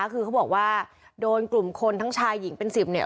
คือเขาบอกว่าโดนกลุ่มคนทั้งชายหญิงเป็นสิบเนี่ย